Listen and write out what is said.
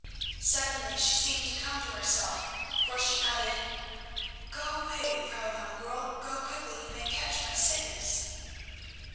Suddenly she seemed to come to herself, for she added, "Go away, Vrouw van Goorl, go quickly or you may catch my sickness."